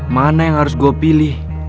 mana yang harus gue pilih